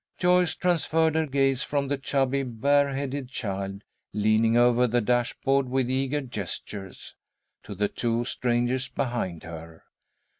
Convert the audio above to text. Joyce transferred her gaze from the chubby, bareheaded child, leaning over the dashboard with eager gestures, to the two strangers behind her.